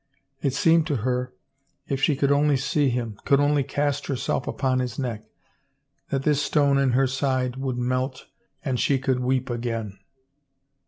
It seemed to her if she could only see him, could only cast herself upon his neck, that this stone in her side would melt and she could weep again.